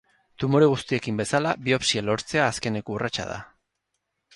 Tumore guztiekin bezala, biopsia lortzea azkeneko urratsa da.